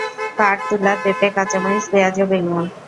পাট, তুলা, পেঁপে, কাঁচা মরিচ, পেঁয়াজ ও বেগুন।